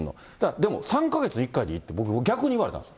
でも３か月に１回でいいって、逆に言われたんです。